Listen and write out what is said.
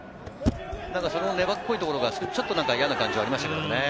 その粘っこいところがちょっと嫌な感じはありましたけどね。